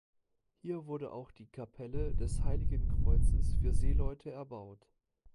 Hier wurde auch die Kapelle des Heiligen Kreuzes für Seeleute erbaut.